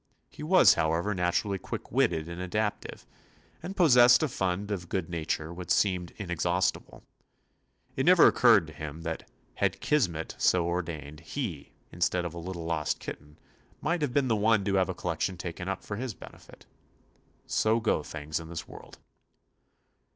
He was, however, naturally quick witted and adaptive, and possessed a fund of good na ture which seemed inexhaustible. It never occurred to him that, had "Kis met" so ordained, he, instead of a lit tle lost kitten, might have been the 46 TOMMY POSTOFFICE one to have a collection taken up for his benefit. So go things in this world.